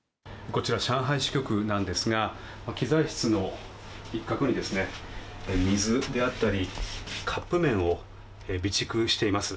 こちら上海支局なんですが機材室の一角に、水であったりカップ麺を備蓄しています。